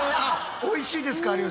おいしいですか？